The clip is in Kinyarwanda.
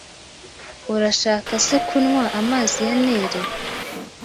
Urashaka se kunywa amazi ya Nili